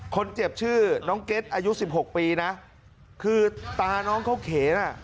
คนเจ็บชื่อน้องเก็ตอายุสิบหกปีนะคือตาน้องเขาเขนอ่ะ